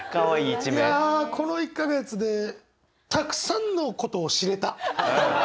いやこの１か月でたくさんのことを知れた！